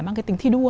mang cái tình thi đua